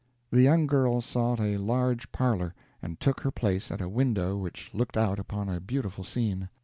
The young girl sought a large parlor and took her place at a window which looked out upon a beautiful scene.